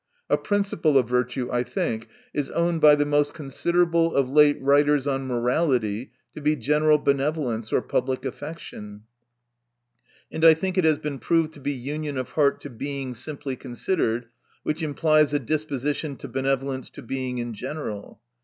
— A principle of virtue, I think, is owned by the most considerable of late writers on morality to c general benevolence or public affection : and I think it has been proved to be union of heart to Being simply considered ; which implies a disposition to benevolence to Being in general.